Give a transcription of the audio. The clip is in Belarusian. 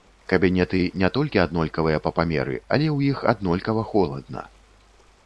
Кабінеты не толькі аднолькавыя па памеры, але ў іх аднолькава холадна.